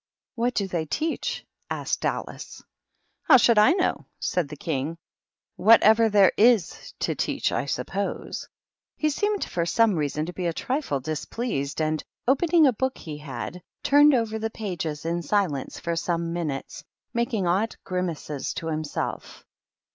"What do they teach?" asked Alice. "How should I know?" said the King. "Whatever there ^s to teach, I suppose." He seemed for some reason to be a trifle dis pleased, and, opening a book he had, turned over the pages in silence for some minutes, making odd grimaces to himself.